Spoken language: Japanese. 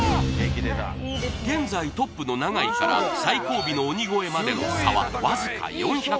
現在トップの永井から最後尾の鬼越までの差はわずか４００ｍ！